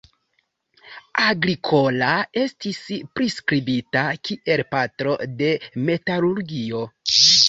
Agricola estis priskribita kiel "patro de metalurgio".